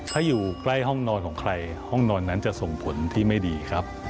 ถ้าอยู่ใกล้ห้องนอนของใครห้องนอนนั้นจะส่งผลที่ไม่ดีครับ